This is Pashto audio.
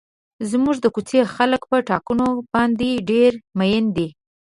زموږ د کوڅې خلک په ټاکنو باندې ډېر مین دي.